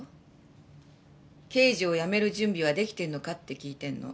刑事を辞める準備はできてるのかって聞いてるの。